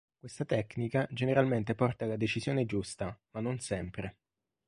Questa tecnica generalmente porta alla decisione giusta, ma non sempre.